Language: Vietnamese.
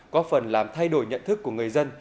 có phần làm thay đổi nhận thức của người dân